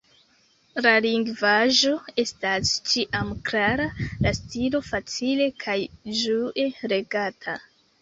La lingvaĵo estas ĉiam klara, la stilo facile kaj ĝue legata.